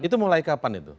itu mulai kapan itu